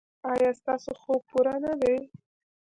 ایا ستاسو خوب پوره نه دی؟